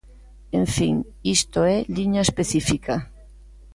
En fin, isto é liña específica.